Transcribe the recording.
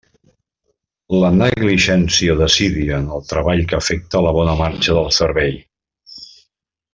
La negligència o desídia en el treball que afecte la bona marxa del servei.